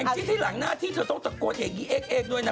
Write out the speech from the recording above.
จริงที่หลังหน้าที่เธอต้องตะโกนเอกยีเอกด้วยนะ